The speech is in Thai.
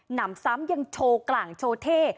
นำซ้ำยังโชว์กลางโชว์เท่